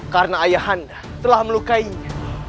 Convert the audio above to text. karena ayah anda telah melukainya